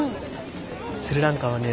スリランカはね